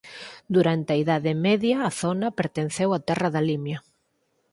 Durante a idade media a zona pertenceu á Terra da Limia.